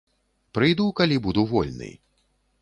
Прыйду, калі буду вольны.